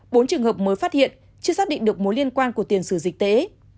bốn trường hợp mới phát hiện chưa xác định được mối liên quan của tiền sử dịch tế